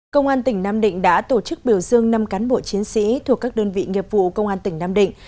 công an tỉnh nam định đã tổ chức biểu dương năm cán bộ chiến sĩ thuộc các đơn vị nghiệp vụ công an tỉnh nam định